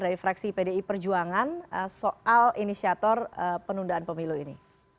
dari fraksi pdi perjuangan soal inisiator penundaan pemilu ini